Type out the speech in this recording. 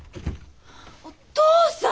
お父さん！